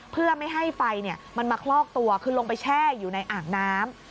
เพื่อไม่ให้ไฟมันมาคลอกตัวคือลงไปแช่อยู่ในอ่างน้ำ